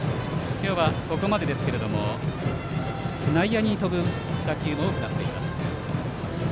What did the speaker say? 今日はここまで内野に飛ぶ打球も多くなっています。